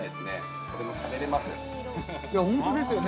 これも食べられますよね。